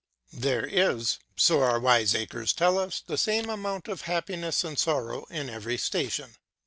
There is, so our wiseacres tell us, the same amount of happiness and sorrow in every station.